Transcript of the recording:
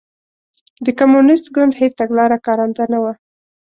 د کمونېست ګوند هېڅ تګلاره کارنده نه وه.